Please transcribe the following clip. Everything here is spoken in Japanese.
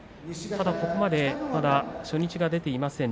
ここまで初日が出ていません。